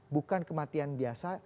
bukan kematian biasa